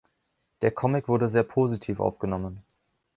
Der Comic wurde sehr positiv aufgenommen.